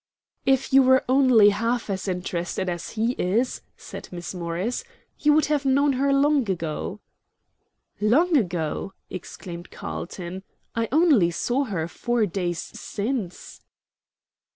"If you were only half as interested as he is," said Miss Morris, "you would have known her long ago." "Long ago?" exclaimed Carlton. "I only saw her four days since."